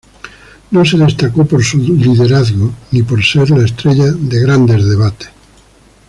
No se destacó por su liderazgo ni por ser la estrella de grandes debates.